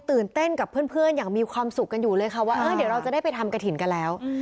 ตื่นเต้นกับเพื่อนอย่างมีความสุขกันอยู่เลยค่ะว่าเดี๋ยวเราจะได้ไปทำกระถิ่นกันแล้ว